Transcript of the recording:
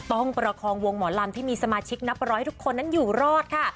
ประคองวงหมอลำที่มีสมาชิกนับร้อยทุกคนนั้นอยู่รอดค่ะ